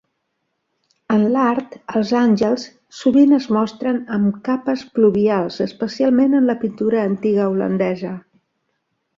En l'art, els àngels sovint es mostren amb capes pluvials, especialment en la pintura antiga holandesa.